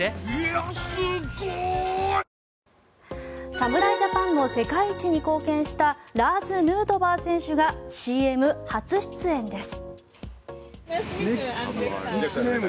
侍ジャパンの世界一に貢献したラーズ・ヌートバー選手がＣＭ初出演です。